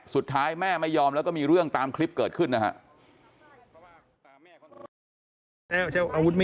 สุดท้ายแม่ไม่ยอมแล้วก็มีเรื่องตามคลิปเกิดขึ้นนะครับ